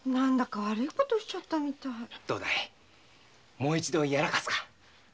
もう一度やらかすか？